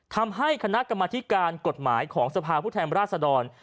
ทำให้คณะกรรมธิการกฎหมายของสภาพผู้แทนราชดร